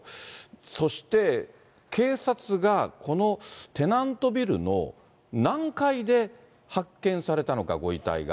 そして警察が、このテナントビルの何階で発見されたのか、ご遺体が。